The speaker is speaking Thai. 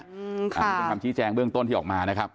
อันนี้เป็นคำชี้แจงเบื้องต้นที่ออกมานะครับ